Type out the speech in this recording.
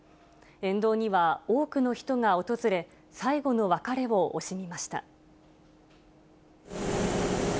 沿道には多くの人が訪れ、最後の別れを惜しみました。